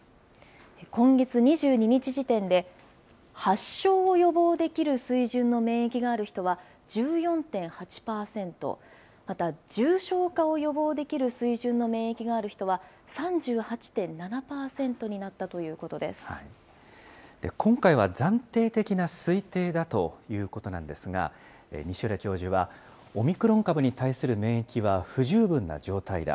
今月２２日時点で、発症を予防できる水準の免疫のある人は１４．８％、また、重症化を予防できる水準の免疫のある人は３８．７％になったとい今回は、暫定的な推定だということなんですが、西浦教授は、オミクロン株に対する免疫は不十分な状態だ。